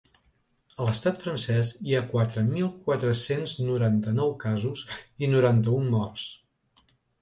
A l’estat francès hi ha quatre mil quatre-cents noranta-nou casos i noranta-un morts.